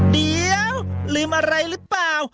เดี๋ยวลืมอะไรหรือเปล่า